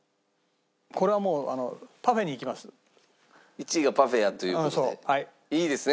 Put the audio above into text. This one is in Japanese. １位がパフェやという事でいいですね？